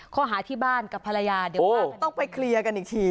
ข้อหาที่บ้านกับภรรยาเดี๋ยวต้องไปเคลียร์กันอีกที